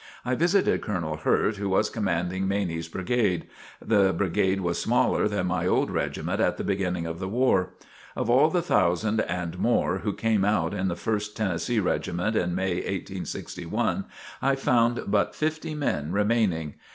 I visited Colonel Hurt who was commanding Maney's brigade. The brigade was smaller than my old regiment at the beginning of the war. Of all the thousand and more who came out in the First Tennessee Regiment in May, 1861, I found but fifty men remaining.